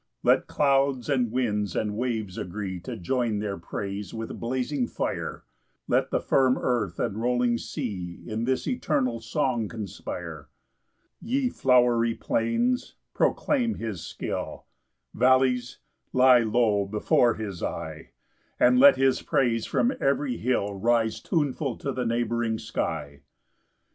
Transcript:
5 Let clouds, and winds, and waves agree To join their praise with blazing fire; Let the firm earth, and rolling sea, In this eternal song conspire. 6 Ye flowery plains, proclaim his skill; Vallies, lie low before his eye; And let his praise from every hill Rise tuneful to the neighbouring sky.